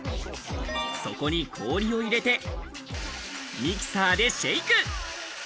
そこに氷を入れてミキサーでシェイク。